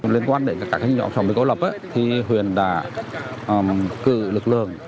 liên quan đến các nhóm xóm bị cô lập thì huyện đã cử lực lượng